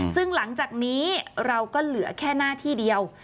ซึ่งหลังจากนี้เราก็เหลือแค่หน้าที่เดียว